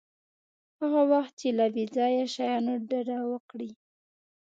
هغه وخت چې له بې ځایه شیانو ډډه وکړئ.